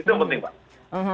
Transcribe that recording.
itu yang penting pak